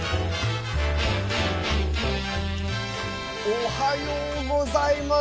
おはようございます。